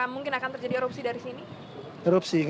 mungkin akan terjadi erupsi dari sini